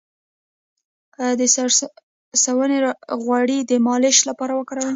د سرسونو غوړي د مالش لپاره وکاروئ